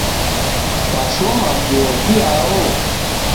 Kwashoma vuo viao?